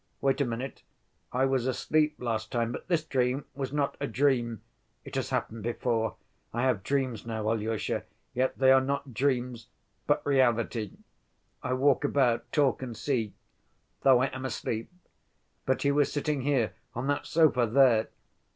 Wait a minute. I was asleep last time, but this dream was not a dream. It has happened before. I have dreams now, Alyosha ... yet they are not dreams, but reality. I walk about, talk and see ... though I am asleep. But he was sitting here, on that sofa there....